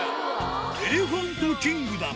エレファントキングダム。